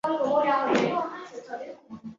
芭比娃娃上首次曝光。